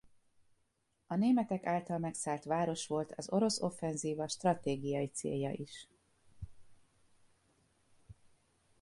A németek által megszállt város volt az orosz offenzíva stratégiai célja is.